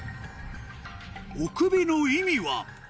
おくびの意味は？